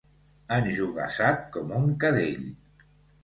Enjogassat com un cadell.